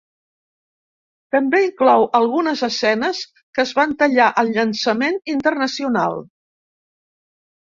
També inclou algunes escenes que es van tallar al llançament internacional.